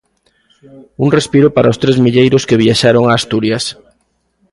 Un respiro para os tres milleiros que viaxaron a Asturias.